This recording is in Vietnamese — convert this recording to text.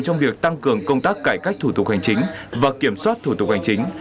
trong việc tăng cường công tác cải cách thủ tục hành chính và kiểm soát thủ tục hành chính